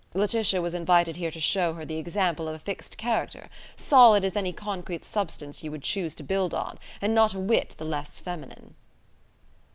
Laetitia was invited here to show her the example of a fixed character solid as any concrete substance you would choose to build on, and not a whit the less feminine."